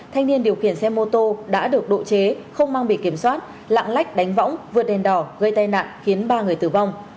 thanh niên điều khiển xe mô tô đã được độ chế không mang bị kiểm soát lạng lách đánh võng vượt đèn đỏ gây tai nạn khiến ba người tử vong